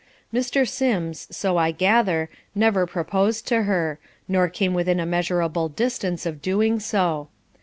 Mr. Sims, so I gather, never proposed to her, nor came within a measurable distance of doing so.